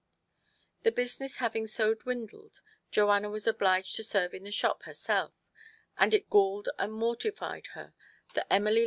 The business having so dwindled, Joanna was obliged to serve in the shop herself, and it galled and mortified her that Emily TO PLEASE HIS WIFE.